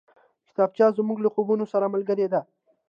کتابچه زموږ له خوبونو سره ملګرې ده